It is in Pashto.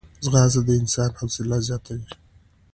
ځغاسته د انسان حوصله زیاتوي